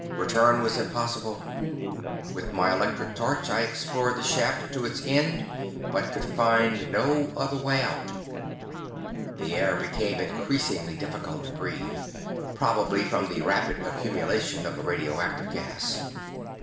Return was impossible. With my electric torch I explored the shaft to its end, but could find no other way out. The air became increasingly difficult to breathe, probably from the rapid accumulation of the radioactive gas.